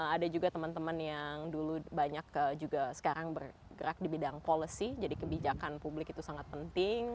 ada juga teman teman yang dulu banyak juga sekarang bergerak di bidang policy jadi kebijakan publik itu sangat penting